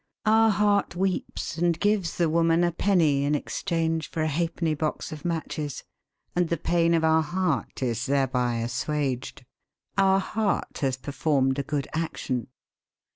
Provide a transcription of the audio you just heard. Our heart weeps and gives the woman a penny in exchange for a halfpenny box of matches, and the pain of our heart is thereby assuaged. Our heart has performed a good action.